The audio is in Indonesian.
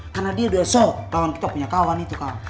karena dia doso kawan kita punya kawan itu kawan